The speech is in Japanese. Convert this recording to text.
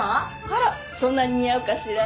あらそんなに似合うかしら？